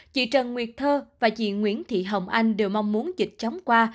chị trần nguyệt thơ và chị nguyễn thị hồng anh đều mong muốn dịch chóng qua